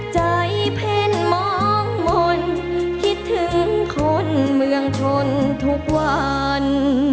เพ่นมองมนต์คิดถึงคนเมืองชนทุกวัน